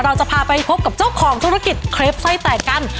เราจะพาไปพบกับเจ้าของธุรกิจเครปสร้อยแตกกัน